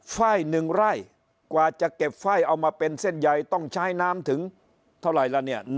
ไฟล์๑ไร่กว่าจะเก็บไฟ่เอามาเป็นเส้นใยต้องใช้น้ำถึงเท่าไหร่ละเนี่ย